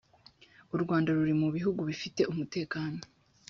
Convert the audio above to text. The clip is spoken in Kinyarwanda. u rwanda ruri mubihugu bifite umutekano.